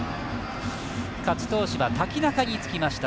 勝ち投手は、瀧中につきました。